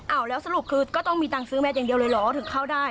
เอาแล้วสรุปคือก็ต้องมีตังค์ซื้อแมทอย่างเดียวเลยเหรอถึงเข้าได้